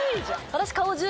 私。